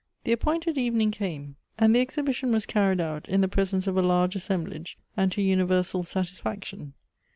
Tha appointed evening came, and the exhibition was carried out in the presence of a large assemblage, and to universal satisfaction.